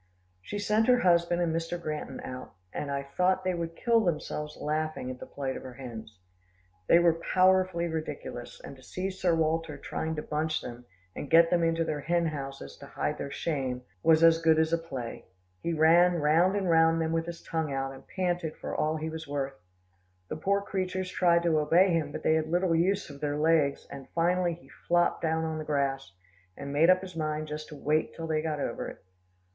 She sent her husband and Mr. Granton out, and I thought they would kill themselves laughing at the plight of her hens. They were powerfully ridiculous, and to see Sir Walter trying to bunch them, and get them into their hen houses to hide their shame, was as good as a play. He ran round and round them with his tongue out, and panted for all he was worth. The poor creatures tried to obey him, but they had little use of their legs, and finally he flopped down on the grass, and made up his mind just to wait till they got over it.